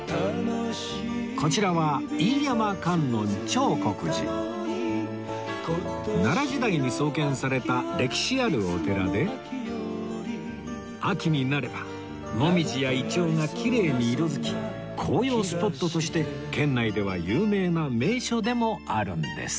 こちらは奈良時代に創建された歴史あるお寺で秋になればもみじやイチョウがきれいに色づき紅葉スポットとして県内では有名な名所でもあるんです